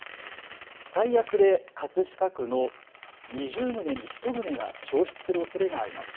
最悪で葛飾区の２０棟に１棟が焼失するおそれがあります。